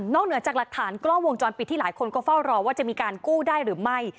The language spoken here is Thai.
เหนือจากหลักฐานกล้องวงจรปิดที่หลายคนก็เฝ้ารอว่าจะมีการกู้ได้หรือไม่